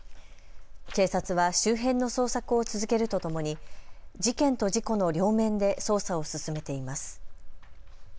警察は周辺の捜索を続けるとともに事件と事故の両面で捜査を進めています。